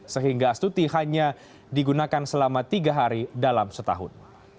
sehingga astuti hanya digunakan selama tiga hari dalam setahun